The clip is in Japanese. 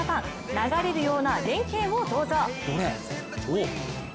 流れるような連携をどうぞ。